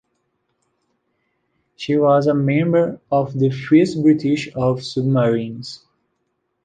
She was a member of the first British of submarines.